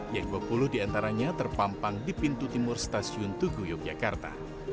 yang dua puluh diantaranya terpampang di pintu timur stasiun tugu yogyakarta